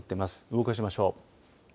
動かしましょう。